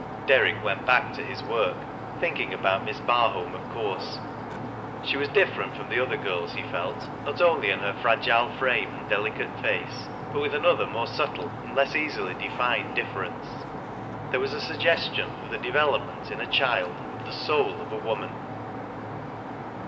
Derrick went back to his work, thinking about Misi Earholm, of course. She was different from othe; girla he felt, not only in her fi agile frame and delicate face bat with another more subtle and less easily defined dif ference. There was a suggestion of the developraent ir a child of the soul of a woman.